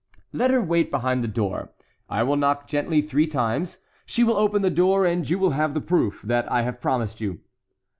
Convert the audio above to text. "Let her wait behind the door. I will knock gently three times; she will open the door, and you will have the proof that I have promised you."